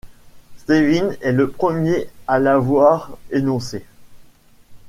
Stévin est le premier à l'avoir énoncé.